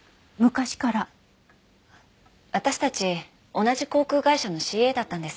私たち同じ航空会社のＣＡだったんです。